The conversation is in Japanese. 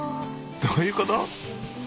どういうこと？